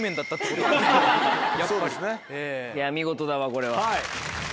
いや見事だわこれは。